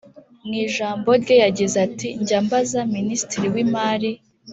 Mu ijambo rye yagize ati “Njya mbaza minisitiri w’Imari